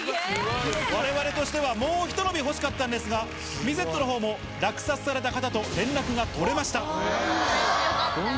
われわれとしては、もうひと伸び欲しかったんですが、ミゼットのほうも落札された方とよかったー。